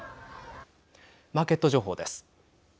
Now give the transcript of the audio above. マーケット情報です。